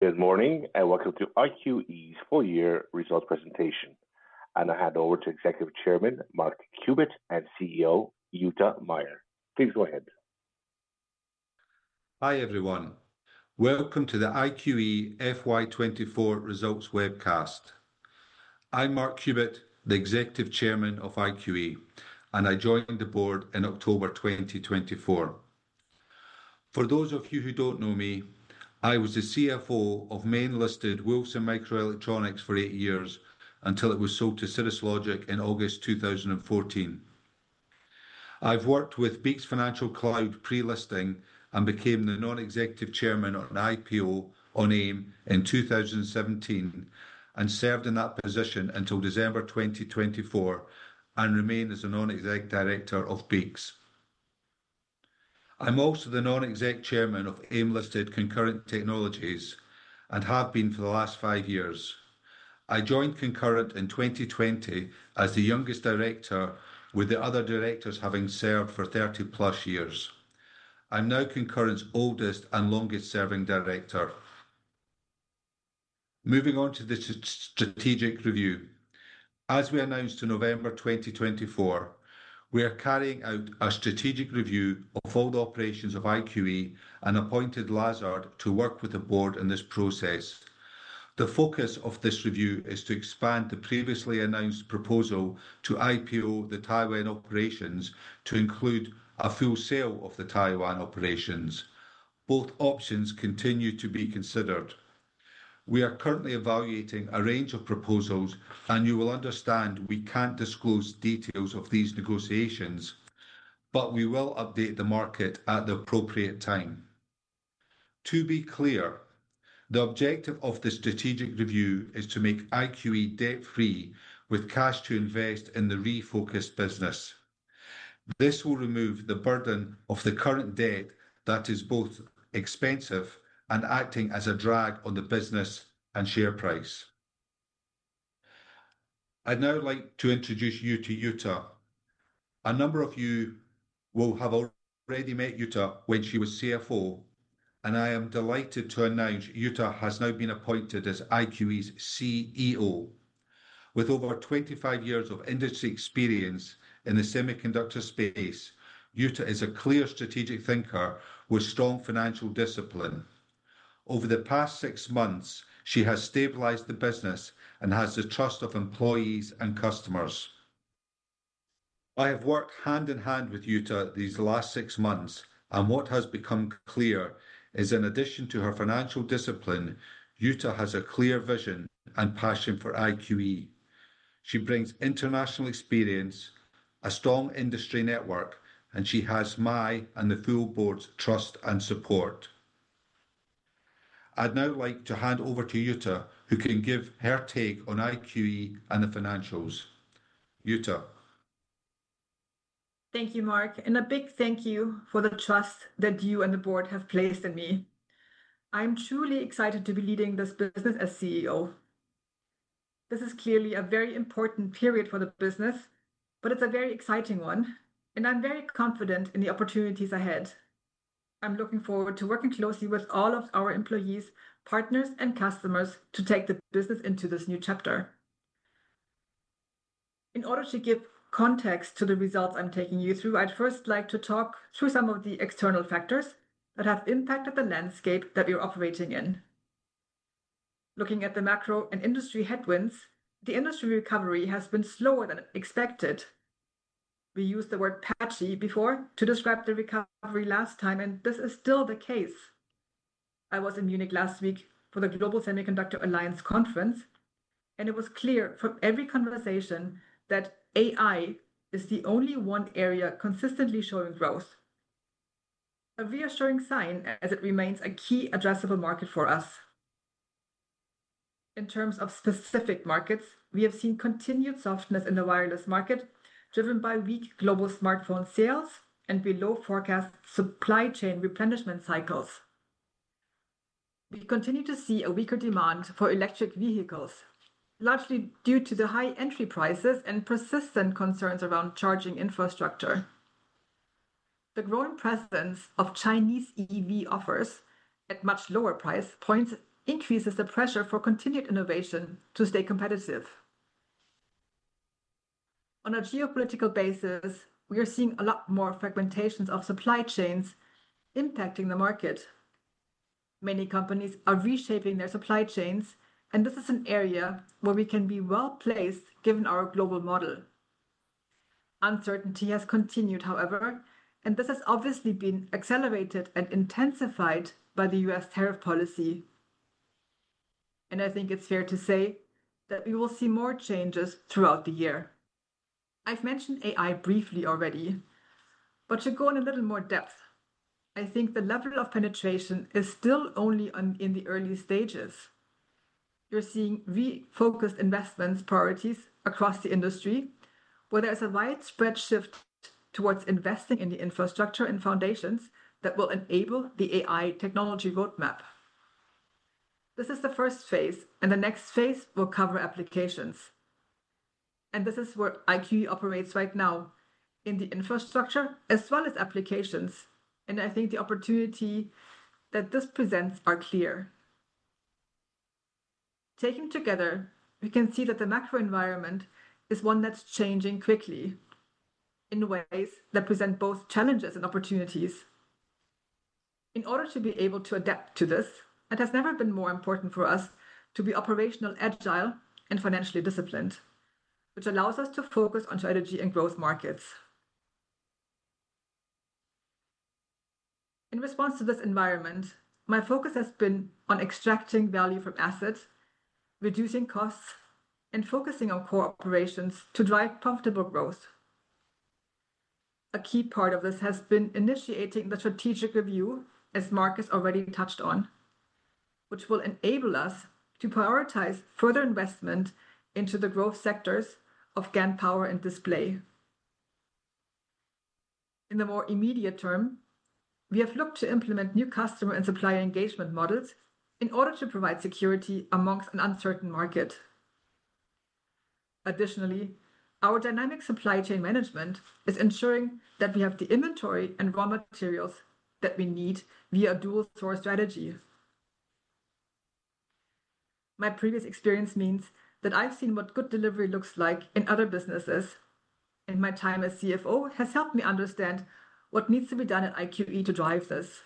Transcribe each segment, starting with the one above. Good morning and welcome to IQE's full-year results presentation. I now hand over to Executive Chairman Mark Cubitt and CEO Jutta Meier. Please go ahead. Hi everyone, welcome to the IQE FY24 Results Webcast. I'm Mark Cubitt, the Executive Chairman of IQE, and I joined the board in October 2024. For those of you who don't know me, I was the CFO of main-listed Wolfson Microelectronics for eight years until it was sold to Cirrus Logic in August 2014. I've worked with Beeks Financial Cloud pre-listing and became the Non-Executive Chairman on IPO on AIM in 2017, and served in that position until December 2024 and remain as the Non-Executive Director of Beeks. I'm also the Non-Executive Chairman of AIM-listed Concurrent Technologies and have been for the last five years. I joined Concurrent in 2020 as the youngest Director, with the other Directors having served for 30 plus years. I'm now Concurrent's oldest and longest-serving Director. Moving on to the strategic review. As we announced in November 2024, we are carrying out a strategic review of all the operations of IQE and appointed Lazard to work with the board in this process. The focus of this review is to expand the previously announced proposal to IPO the Taiwan operations to include a full sale of the Taiwan operations. Both options continue to be considered. We are currently evaluating a range of proposals, and you will understand we can't disclose details of these negotiations, but we will update the market at the appropriate time. To be clear, the objective of the strategic review is to make IQE debt-free with cash to invest in the refocused business. This will remove the burden of the current debt that is both expensive and acting as a drag on the business and share price. I'd now like to introduce you to Jutta. A number of you will have already met Jutta when she was CFO, and I am delighted to announce Jutta has now been appointed as IQE's CEO. With over 25 years of industry experience in the semiconductor space, Jutta is a clear strategic thinker with strong financial discipline. Over the past six months, she has stabilized the business and has the trust of employees and customers. I have worked hand in hand with Jutta these last six months, and what has become clear is, in addition to her financial discipline, Jutta has a clear vision and passion for IQE. She brings international experience, a strong industry network, and she has my and the full board's trust and support. I'd now like to hand over to Jutta, who can give her take on IQE and the financials. Jutta. Thank you, Mark, and a big thank you for the trust that you and the board have placed in me. I'm truly excited to be leading this business as CEO. This is clearly a very important period for the business, but it's a very exciting one, and I'm very confident in the opportunities ahead. I'm looking forward to working closely with all of our employees, partners, and customers to take the business into this new chapter. In order to give context to the results I'm taking you through, I'd first like to talk through some of the external factors that have impacted the landscape that we're operating in. Looking at the macro and industry headwinds, the industry recovery has been slower than expected. We used the word "patchy" before to describe the recovery last time, and this is still the case. I was in Munich last week for the Global Semiconductor Alliance Conference, and it was clear from every conversation that AI is the only one area consistently showing growth. A reassuring sign as it remains a key addressable market for us. In terms of specific markets, we have seen continued softness in the wireless market, driven by weak global smartphone sales and below-forecast supply chain replenishment cycles. We continue to see a weaker demand for electric vehicles, largely due to the high entry prices and persistent concerns around charging infrastructure. The growing presence of Chinese EV offers at much lower price points increases the pressure for continued innovation to stay competitive. On a geopolitical basis, we are seeing a lot more fragmentations of supply chains impacting the market. Many companies are reshaping their supply chains, and this is an area where we can be well placed given our global model. Uncertainty has continued, however, and this has obviously been accelerated and intensified by the U.S. tariff policy. I think it's fair to say that we will see more changes throughout the year. I've mentioned AI briefly already, but to go in a little more depth, I think the level of penetration is still only in the early stages. You're seeing refocused investment priorities across the industry, where there is a widespread shift towards investing in the infrastructure and foundations that will enable the AI technology roadmap. This is the first phase, and the next phase will cover applications. This is where IQE operates right now, in the infrastructure as well as applications, and I think the opportunity that this presents is clear. Taken together, we can see that the macro environment is one that's changing quickly in ways that present both challenges and opportunities. In order to be able to adapt to this, it has never been more important for us to be operationally agile and financially disciplined, which allows us to focus on strategy and growth markets. In response to this environment, my focus has been on extracting value from assets, reducing costs, and focusing on core operations to drive profitable growth. A key part of this has been initiating the strategic review, as Mark has already touched on, which will enable us to prioritize further investment into the growth sectors of GaN power and Display. In the more immediate term, we have looked to implement new customer and supplier engagement models in order to provide security amongst an uncertain market. Additionally, our dynamic supply chain management is ensuring that we have the inventory and raw materials that we need via a dual-source strategy. My previous experience means that I've seen what good delivery looks like in other businesses, and my time as CFO has helped me understand what needs to be done at IQE to drive this.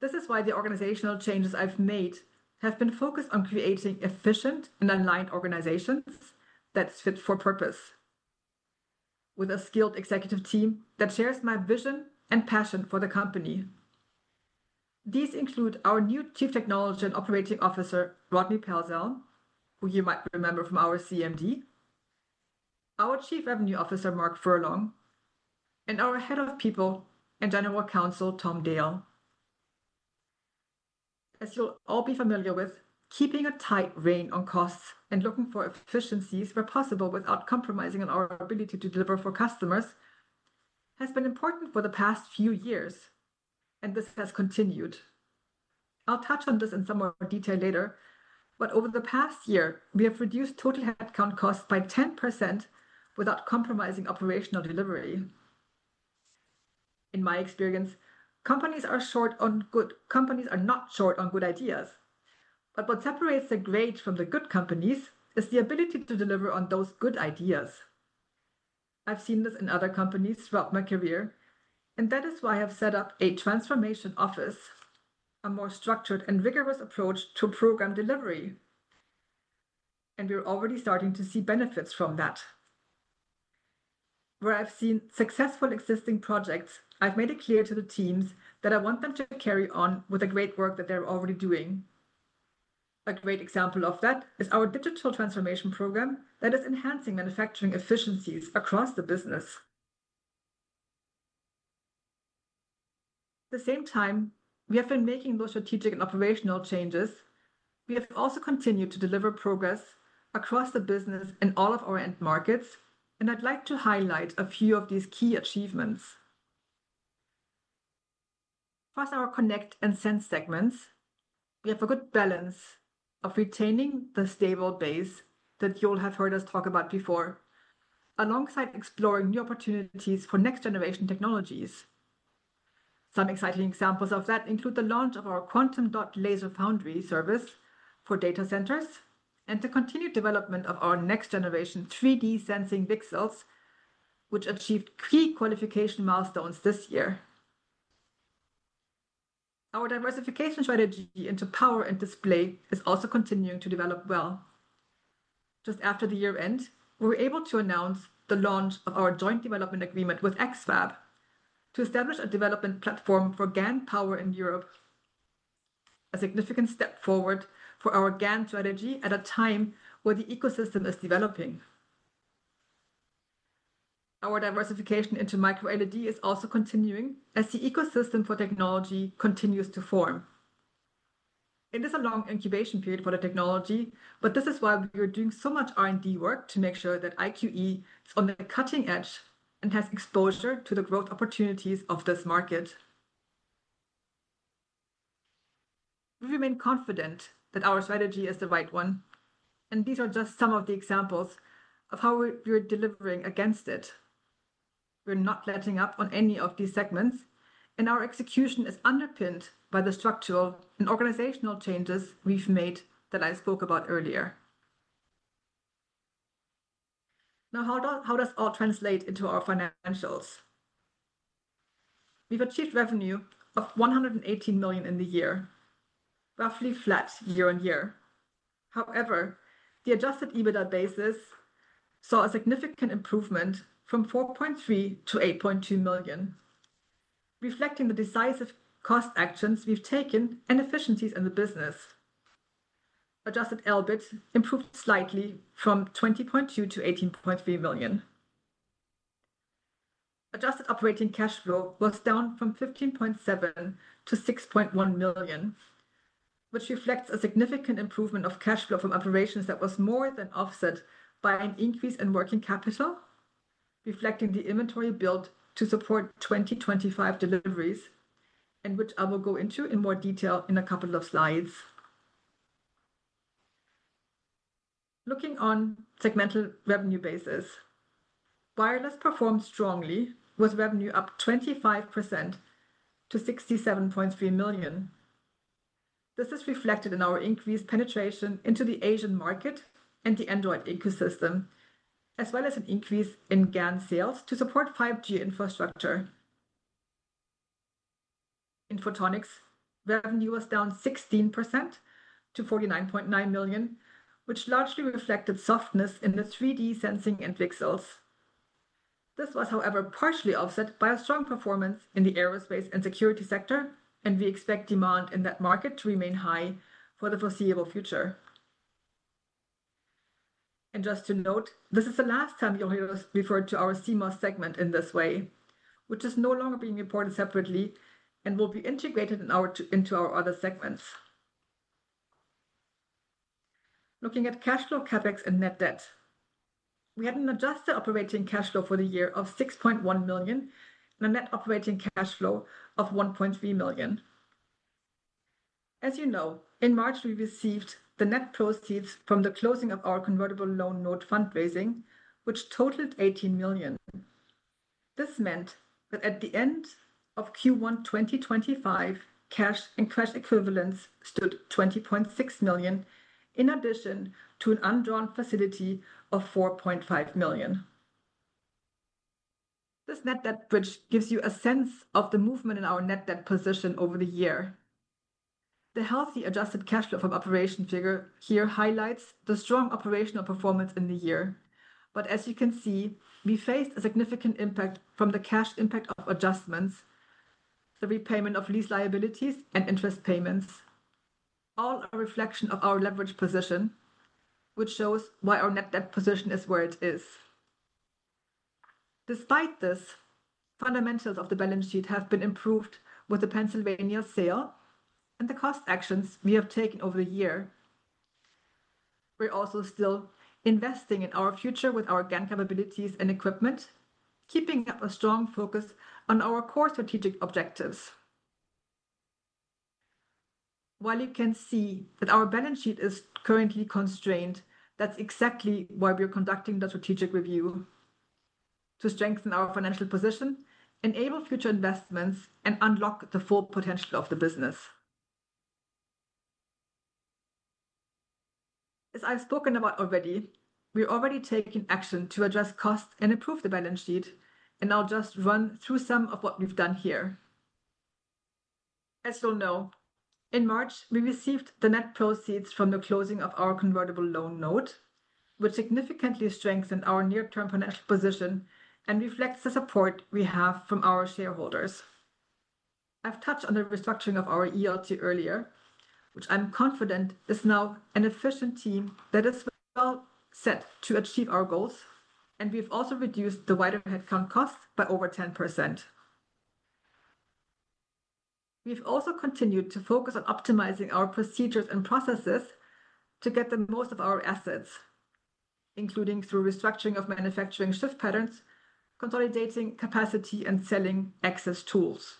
This is why the organizational changes I've made have been focused on creating efficient and aligned organizations that fit for purpose, with a skilled executive team that shares my vision and passion for the company. These include our new Chief Technology and Operating Officer, Rodney Pelzel, who you might remember from our CMD, our Chief Revenue Officer, Mark Furlong, and our Head of People and General Counsel, Tom Dale. As you'll all be familiar with, keeping a tight rein on costs and looking for efficiencies where possible without compromising on our ability to deliver for customers has been important for the past few years, and this has continued. I'll touch on this in some more detail later, but over the past year, we have reduced total headcount costs by 10% without compromising operational delivery. In my experience, companies are not short on good ideas, but what separates the great from the good companies is the ability to deliver on those good ideas. I've seen this in other companies throughout my career, and that is why I have set up a transformation office, a more structured and rigorous approach to program delivery, and we're already starting to see benefits from that. Where I've seen successful existing projects, I've made it clear to the teams that I want them to carry on with the great work that they're already doing. A great example of that is our digital transformation program that is enhancing manufacturing efficiencies across the business. At the same time, we have been making those strategic and operational changes. We have also continued to deliver progress across the business in all of our end markets, and I'd like to highlight a few of these key achievements. First, our connect and send segments. We have a good balance of retaining the stable base that you'll have heard us talk about before, alongside exploring new opportunities for next-generation technologies. Some exciting examples of that include the launch of our Quantum Dot Laser Foundry service for data centers and the continued development of our next-generation 3D sensing VCSELs, which achieved key qualification milestones this year. Our diversification strategy into power and display is also continuing to develop well. Just after the year-end, we were able to announce the launch of our joint development agreement with X-FAB to establish a development platform for GaN power in Europe, a significant step forward for our GaN strategy at a time where the ecosystem is developing. Our diversification into MicroLED is also continuing as the ecosystem for technology continues to form. It is a long incubation period for the technology, but this is why we are doing so much R&D work to make sure that IQE is on the cutting edge and has exposure to the growth opportunities of this market. We remain confident that our strategy is the right one, and these are just some of the examples of how we're delivering against it. We're not letting up on any of these segments, and our execution is underpinned by the structural and organizational changes we've made that I spoke about earlier. Now, how does all translate into our financials? We've achieved revenue of 118 million in the year, roughly flat year on year. However, the adjusted EBITDA basis saw a significant improvement from 4.3 million to 8.2 million, reflecting the decisive cost actions we've taken and efficiencies in the business. Adjusted LBIT improved slightly from 20.2 million to 18.3 million. Adjusted operating cash flow was down from 15.7 million to 6.1 million, which reflects a significant improvement of cash flow from operations that was more than offset by an increase in working capital, reflecting the inventory built to support 2025 deliveries, and which I will go into in more detail in a couple of slides. Looking on segmental revenue basis, wireless performed strongly, with revenue up 25% to 67.3 million. This is reflected in our increased penetration into the Asian market and the Android ecosystem, as well as an increase in GaN sales to support 5G infrastructure. In photonics, revenue was down 16% to 49.9 million, which largely reflected softness in the 3D sensing and VCSELs. This was, however, partially offset by a strong performance in the aerospace and security sector, and we expect demand in that market to remain high for the foreseeable future. Just to note, this is the last time you'll hear us refer to our CMOS segment in this way, which is no longer being reported separately and will be integrated into our other segments. Looking at cash flow, CapEx, and net debt, we had an adjusted operating cash flow for the year of 6.1 million and a net operating cash flow of 1.3 million. As you know, in March, we received the net proceeds from the closing of our convertible loan note fundraising, which totaled 18 million. This meant that at the end of Q1 2025, cash and cash equivalents stood at 20.6 million, in addition to an undrawn facility of 4.5 million. This net debt bridge gives you a sense of the movement in our net debt position over the year. The healthy adjusted cash flow from operation figure here highlights the strong operational performance in the year, but as you can see, we faced a significant impact from the cash impact of adjustments, the repayment of lease liabilities, and interest payments, all a reflection of our leverage position, which shows why our net debt position is where it is. Despite this, fundamentals of the balance sheet have been improved with the Pennsylvania sale and the cost actions we have taken over the year. We're also still investing in our future with our GaN capabilities and equipment, keeping up a strong focus on our core strategic objectives. While you can see that our balance sheet is currently constrained, that's exactly why we're conducting the strategic review: to strengthen our financial position, enable future investments, and unlock the full potential of the business. As I've spoken about already, we're already taking action to address costs and improve the balance sheet, and I'll just run through some of what we've done here. As you'll know, in March, we received the net proceeds from the closing of our convertible loan note, which significantly strengthened our near-term financial position and reflects the support we have from our shareholders. I've touched on the restructuring of our ELT earlier, which I'm confident is now an efficient team that is well set to achieve our goals, and we've also reduced the wider headcount cost by over 10%. We've also continued to focus on optimizing our procedures and processes to get the most of our assets, including through restructuring of manufacturing shift patterns, consolidating capacity, and selling access tools.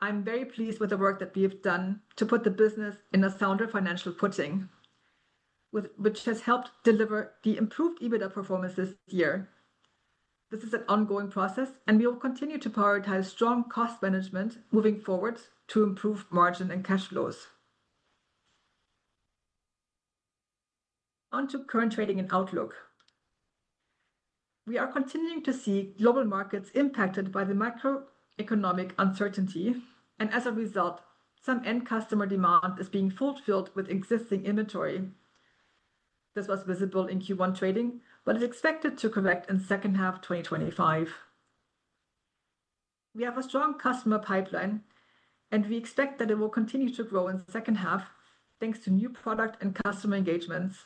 I'm very pleased with the work that we have done to put the business in a sounder financial footing, which has helped deliver the improved EBITDA performance this year. This is an ongoing process, and we will continue to prioritize strong cost management moving forward to improve margin and cash flows. On to current trading and outlook. We are continuing to see global markets impacted by the macroeconomic uncertainty, and as a result, some end customer demand is being fulfilled with existing inventory. This was visible in Q1 trading, but is expected to correct in the second half 2025. We have a strong customer pipeline, and we expect that it will continue to grow in the second half thanks to new product and customer engagements.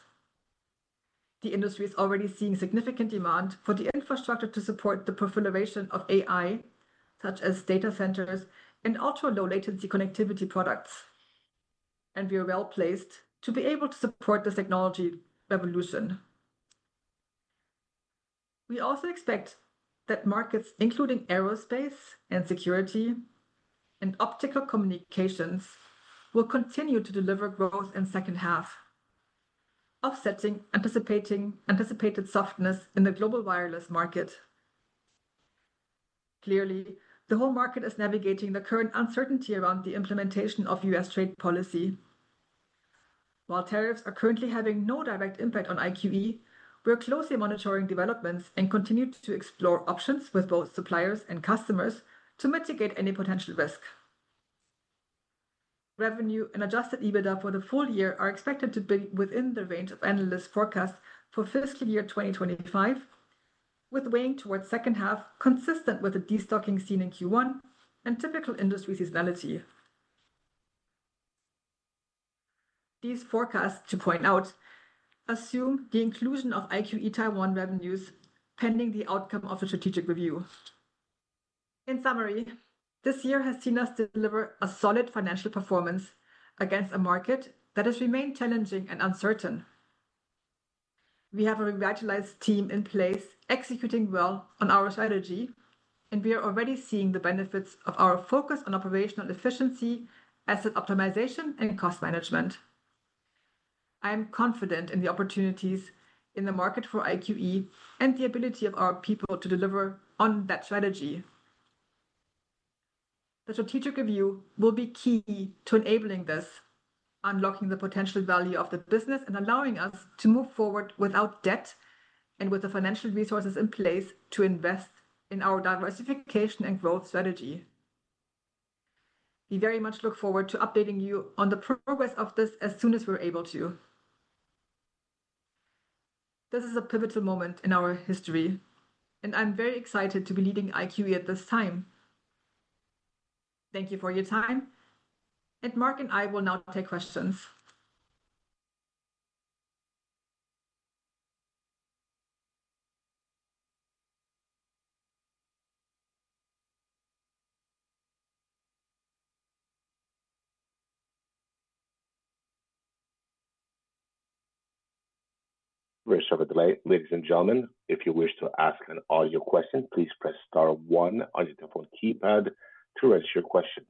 The industry is already seeing significant demand for the infrastructure to support the proliferation of AI, such as data centers and ultra-low-latency connectivity products, and we are well placed to be able to support this technology revolution. We also expect that markets including aerospace and security and optical communications will continue to deliver growth in the second half, offsetting anticipated softness in the global wireless market. Clearly, the whole market is navigating the current uncertainty around the implementation of U.S. trade policy. While tariffs are currently having no direct impact on IQE, we're closely monitoring developments and continue to explore options with both suppliers and customers to mitigate any potential risk. Revenue and adjusted EBITDA for the full year are expected to be within the range of analysts' forecasts for fiscal year 2025, with weighting towards the second half consistent with the destocking seen in Q1 and typical industry seasonality. These forecasts, to point out, assume the inclusion of IQE Taiwan revenues pending the outcome of the strategic review. In summary, this year has seen us deliver a solid financial performance against a market that has remained challenging and uncertain. We have a revitalized team in place executing well on our strategy, and we are already seeing the benefits of our focus on operational efficiency, asset optimization, and cost management. I'm confident in the opportunities in the market for IQE and the ability of our people to deliver on that strategy. The strategic review will be key to enabling this, unlocking the potential value of the business and allowing us to move forward without debt and with the financial resources in place to invest in our diversification and growth strategy. We very much look forward to updating you on the progress of this as soon as we're able to. This is a pivotal moment in our history, and I'm very excited to be leading IQE at this time. Thank you for your time, and Mark and I will now take questions. We're short of the light, ladies and gentlemen. If you wish to ask an audio question, please press *1 on your telephone keypad to register your question.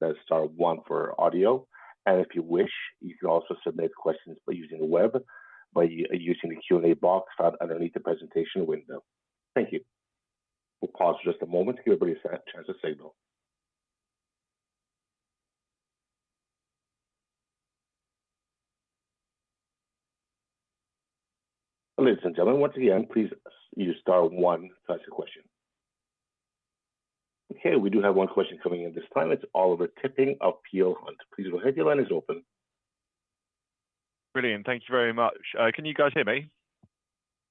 That's *1 for audio, and if you wish, you can also submit questions by using the web, by using the Q&A box found underneath the presentation window. Thank you. We'll pause for just a moment to give everybody a chance to signal. Ladies and gentlemen, once again, please use star one to ask a question. Okay, we do have one question coming in this time. It's Oliver Tipping of Peel Hunt. Please go ahead. Your line is open. Brilliant. Thank you very much. Can you guys hear me?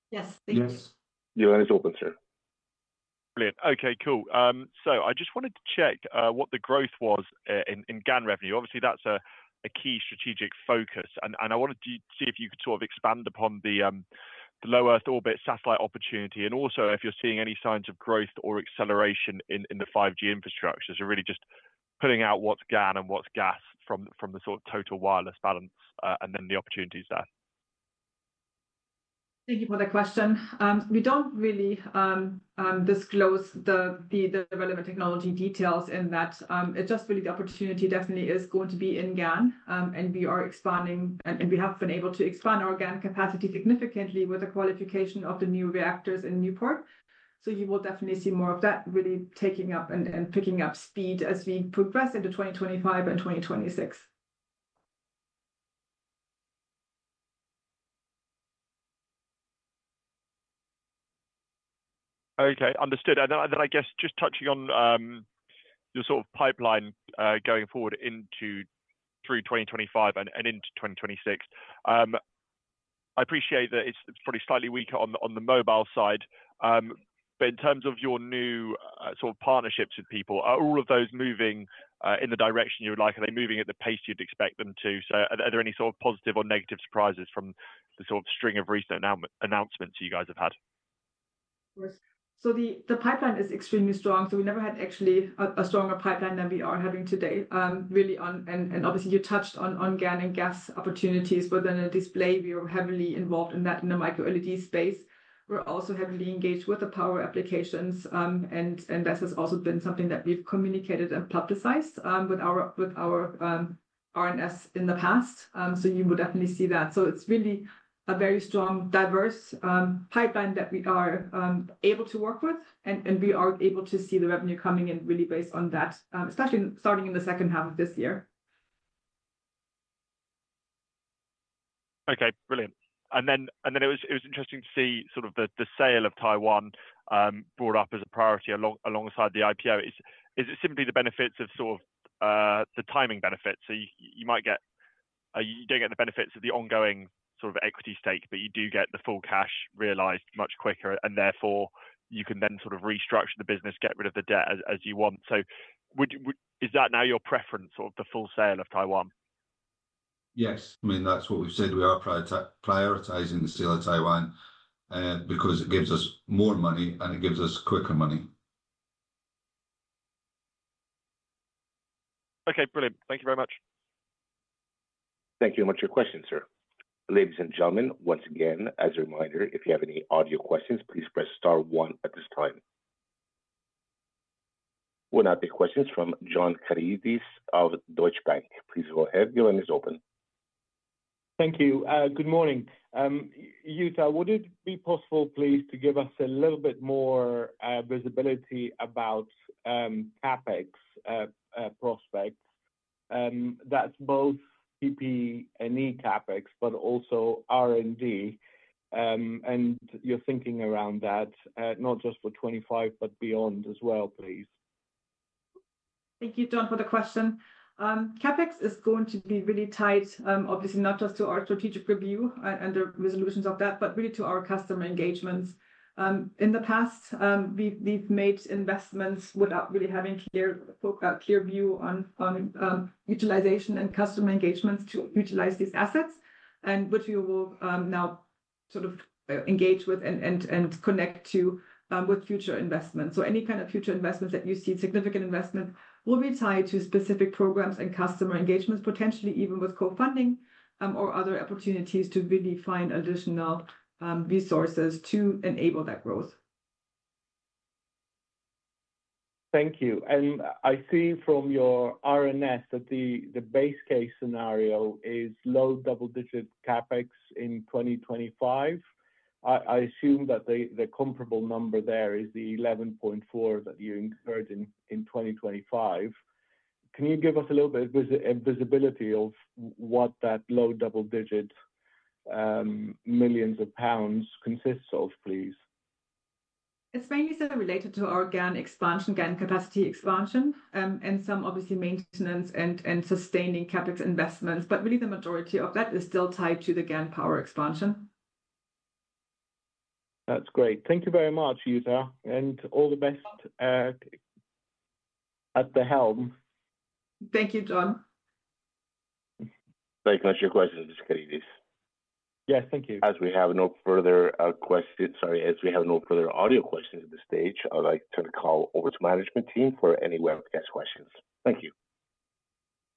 Yes, thank you. Yes. Your line is open, sir. Brilliant. Okay, cool. So I just wanted to check what the growth was in GaN revenue. Obviously, that's a key strategic focus, and I wanted to see if you could sort of expand upon the low Earth orbit satellite opportunity, and also if you're seeing any signs of growth or acceleration in the 5G infrastructures. You're really just pulling out what's GaN and what's gas from the sort of total wireless balance and then the opportunities there? Thank you for the question. We do not really disclose the relevant technology details in that. It is just really the opportunity definitely is going to be in GaN, and we are expanding, and we have been able to expand our GaN capacity significantly with the qualification of the new reactors in. You will definitely see more of that really taking up and picking up speed as we progress into 2025 and 2026. Okay, understood. I guess just touching on your sort of pipeline going forward into 2025 and into 2026, I appreciate that it's probably slightly weaker on the mobile side, but in terms of your new sort of partnerships with people, are all of those moving in the direction you would like? Are they moving at the pace you'd expect them to? Are there any sort of positive or negative surprises from the sort of string of recent announcements you guys have had? The pipeline is extremely strong. We never had actually a stronger pipeline than we are having today, really. Obviously, you touched on GaN and GaAs opportunities, but then at Display, we are heavily involved in the micro-LED space. We're also heavily engaged with the power applications, and that has also been something that we've communicated and publicized with our R&D in the past. You would definitely see that. It's really a very strong, diverse pipeline that we are able to work with, and we are able to see the revenue coming in really based on that, especially starting in the second half of this year. Okay, brilliant. It was interesting to see sort of the sale of Taiwan brought up as a priority alongside the IPO. Is it simply the benefits of sort of the timing benefits? You might not get the benefits of the ongoing sort of equity stake, but you do get the full cash realized much quicker, and therefore you can then sort of restructure the business, get rid of the debt as you want. Is that now your preference, sort of the full sale of Taiwan? Yes. I mean, that's what we've said. We are prioritizing the sale of Taiwan because it gives us more money, and it gives us quicker money. Okay, brilliant. Thank you very much. Thank you very much for your question, sir. Ladies and gentlemen, once again, as a reminder, if you have any audio questions, please press *1 at this time. We'll now take questions from John Caridis of Deutsche Bank. Please go ahead. Your line is open. Thank you. Good morning. Jutta, would it be possible, please, to give us a little bit more visibility about CapEx, prospect? That is both PP&E CapEx, but also R&D. And your thinking around that, not just for 2025, but beyond as well? please. Thank you, John, for the question. CapEx is going to be really tight, obviously, not just to our strategic review and the resolutions of that, but really to our customer engagements. In the past, we've made investments without really having a clear view on utilization and customer engagements to utilize these assets, which we will now sort of engage with and connect to with future investments. Any kind of future investments that you see, significant investments, will be tied to specific programs and customer engagements, potentially even with co-funding or other opportunities to really find additional resources to enable that growth. Thank you. I see from your R&S that the base case scenario is low double-digit CapEx in 2025. I assume that the comparable number there is the 11.4 million that you incurred in 2024. Can you give us a little bit of visibility of what that low double-digit millions of pounds consists of, please? It's mainly related to our GaN expansion, GaN capacity expansion, and some obviously maintenance and sustaining CapEx investments, but really the majority of that is still tied to the GaN power expansion. That's great. Thank you very much, Jutta, and all the best at the helm. Thank you, John. Very close to your question, Mr. Karidis. Yes, thank you. As we have no further questions, sorry, as we have no further audio questions at this stage, I'd like to call over to the management team for any webcast questions. Thank you.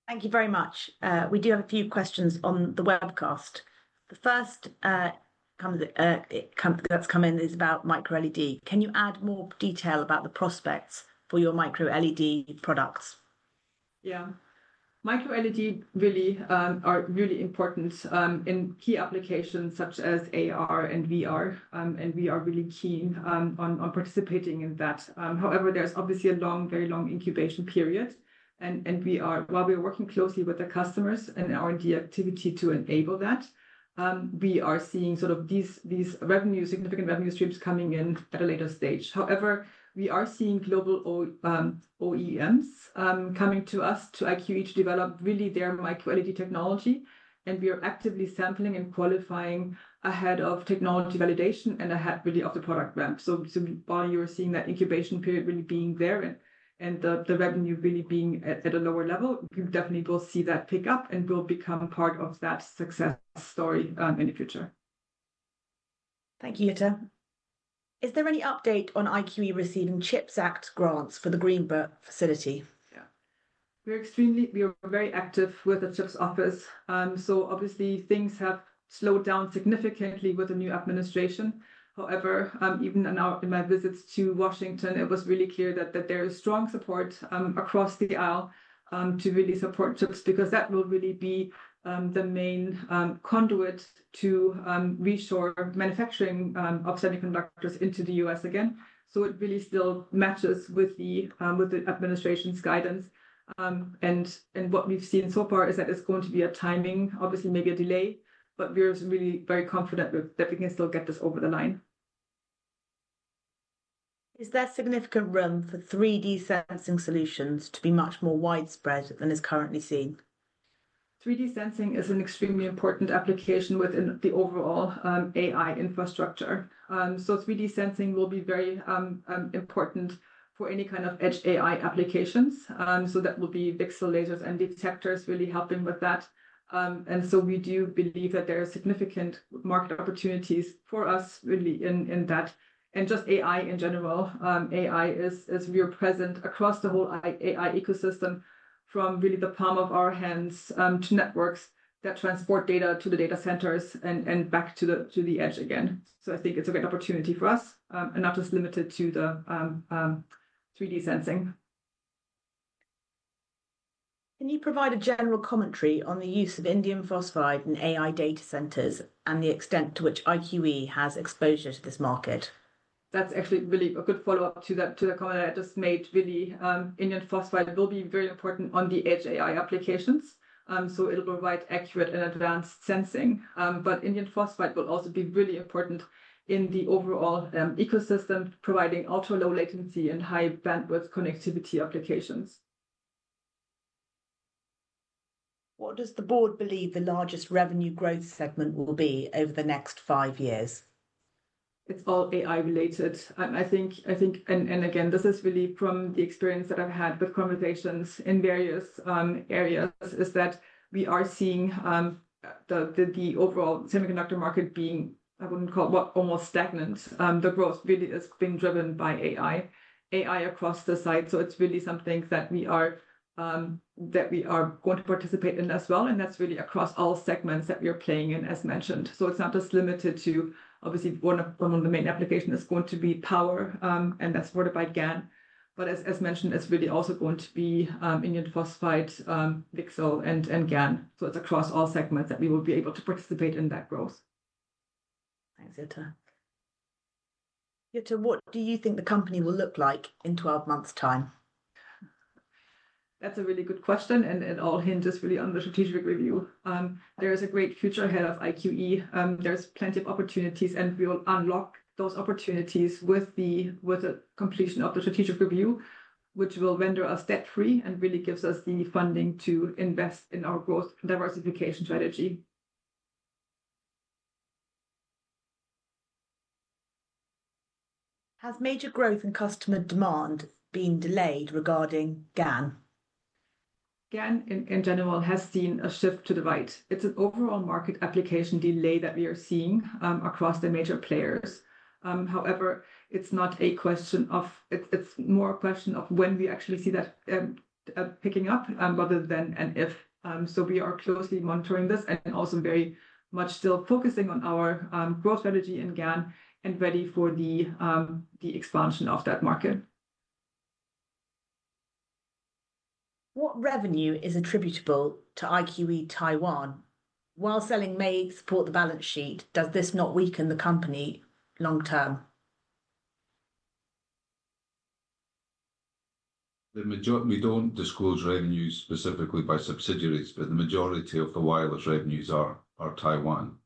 Thank you very much. We do have a few questions on the webcast. The first that's come in is about MicroLED. Can you add more detail about the prospects for your MicroLED products? Yeah. Micro-LED really are really important in key applications such as AR and VR, and we are really keen on participating in that. However, there's obviously a long, very long incubation period, and while we are working closely with the customers and R&D activity to enable that, we are seeing sort of these significant revenue streams coming in at a later stage. However, we are seeing global OEMs coming to us, to IQE, to develop really their Micro-LED technology, and we are actively sampling and qualifying ahead of technology validation and ahead really of the product ramp. While you're seeing that incubation period really being there and the revenue really being at a lower level, we definitely will see that pick up and will become part of that success story in the future. Thank you, Jutta. Is there any update on IQE receiving CHIPS Act grants for the Greenbelt facility? Yeah. We are extremely, we are very active with the CHIPS office. Obviously, things have slowed down significantly with the new administration. However, even in my visits to Washington, it was really clear that there is strong support across the aisle to really support CHIPS because that will really be the main conduit to reshore manufacturing of semiconductors into the U.S. again. It really still matches with the administration's guidance. What we've seen so far is that it's going to be a timing, obviously maybe a delay, but we're really very confident that we can still get this over the line. Is there significant room for 3D sensing solutions to be much more widespread than is currently seen? 3D sensing is an extremely important application within the overall AI infrastructure. 3D sensing will be very important for any kind of edge AI applications. That will be pixel lasers and detectors really helping with that. We do believe that there are significant market opportunities for us really in that. AI in general, AI is real present across the whole AI ecosystem from really the palm of our hands to networks that transport data to the data centers and back to the edge again. I think it's a great opportunity for us and not just limited to the 3D sensing. Can you provide a general commentary on the use of indium phosphide in AI data centers and the extent to which IQE has exposure to this market? That's actually really a good follow-up to the comment I just made. Really, indium phosphide will be very important on the edge AI applications. It will provide accurate and advanced sensing. Indium phosphide will also be really important in the overall ecosystem, providing ultra-low latency and high-bandwidth connectivity applications. What does the board believe the largest revenue growth segment will be over the next five years? It's all AI-related. I think, and again, this is really from the experience that I've had with conversations in various areas, is that we are seeing the overall semiconductor market being, I wouldn't call it almost stagnant. The growth really has been driven by AI, AI across the side. It is really something that we are going to participate in as well. That is really across all segments that we are playing in, as mentioned. It is not just limited to, obviously, one of the main applications is going to be power, and that is supported by GaN. As mentioned, it is really also going to be indium phosphide, VCSEL, and GaN. It is across all segments that we will be able to participate in that growth. Thanks, Jutta. Jutta, what do you think the company will look like in 12 months' time? That's a really good question, and it all hinges really on the strategic review. There is a great future ahead of IQE. There's plenty of opportunities, and we will unlock those opportunities with the completion of the strategic review, which will render us debt-free and really gives us the funding to invest in our growth diversification strategy. Has major growth in customer demand been delayed regarding GaN? GaN, in general, has seen a shift to the right. It's an overall market application delay that we are seeing across the major players. However, it's not a question of, it's more a question of when we actually see that picking up rather than an if. We are closely monitoring this and also very much still focusing on our growth strategy in GaN and ready for the expansion of that market. What revenue is attributable to IQE Taiwan? While selling may support the balance sheet, does this not weaken the company long-term? We don't disclose revenues specifically by subsidiaries, but the majority of the wireless revenues are Taiwan.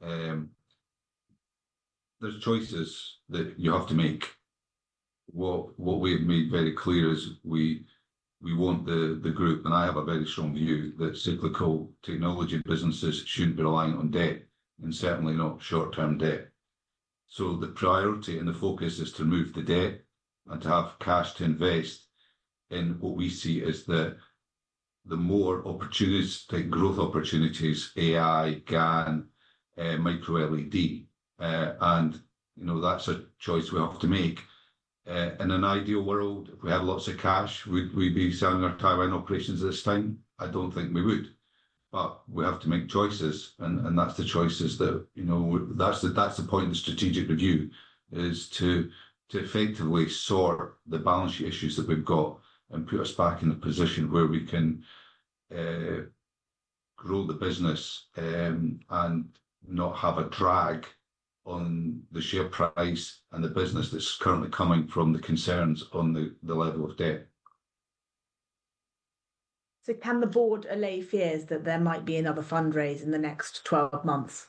There's choices that you have to make. What we've made very clear is we want the group, and I have a very strong view that cyclical technology businesses shouldn't be reliant on debt and certainly not short-term debt. The priority and the focus is to remove the debt and to have cash to invest in what we see as the more opportunistic growth opportunities, AI, GaN, micro-LED. That's a choice we have to make. In an ideal world, if we had lots of cash, we'd be selling our Taiwan operations at this time. I don't think we would, but we have to make choices. That is the point of the strategic review, to effectively sort the balance sheet issues that we have and put us back in a position where we can grow the business and not have a drag on the share price and the business that is currently coming from the concerns on the level of debt. Can the board allay fears that there might be another fundraise in the next 12 months?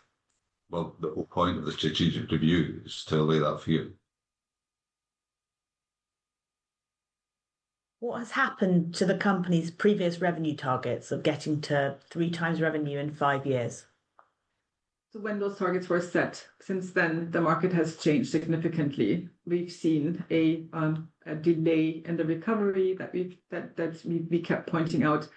The whole point of the strategic review is to allay that fear. What has happened to the company's previous revenue targets of getting to three times revenue in five years? When those targets were set, since then, the market has changed significantly. We've seen a delay in the recovery that we kept pointing out,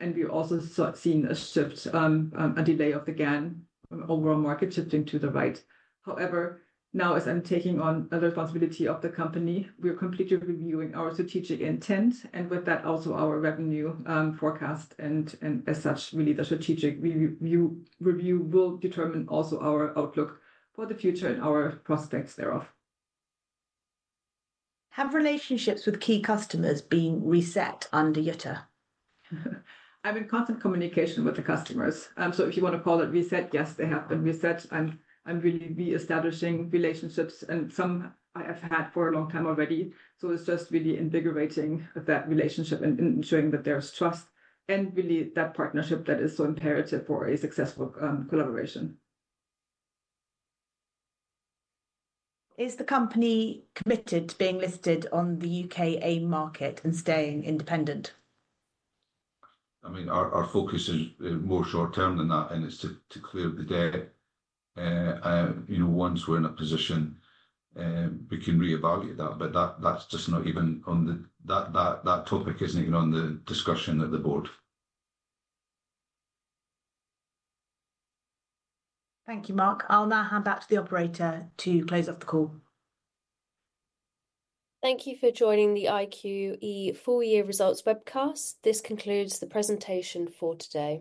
and we've also seen a shift, a delay of the GaN overall market shifting to the right. However, now, as I'm taking on the responsibility of the company, we're completely reviewing our strategic intent, and with that, also our revenue forecast. As such, really, the strategic review will determine also our outlook for the future and our prospects thereof. Have relationships with key customers been reset under Jutta? I'm in constant communication with the customers. If you want to call it reset, yes, they have been reset. I'm really reestablishing relationships, and some I have had for a long time already. It is just really invigorating that relationship and ensuring that there's trust and really that partnership that is so imperative for a successful collaboration. Is the company committed to being listed on the U.K. AIM market and staying independent? I mean, our focus is more short-term than that, and it's to clear the debt. Once we're in a position, we can reevaluate that, but that's just not even on the, that topic isn't even on the discussion at the board. Thank you, Mark. I'll now hand back to the operator to close up the call. Thank you for joining the IQE four-year results webcast. This concludes the presentation for today.